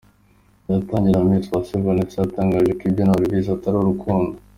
Bigitangira, Miss Uwase Vanessa yatangaje ko ibye na Olvis atari urukundo.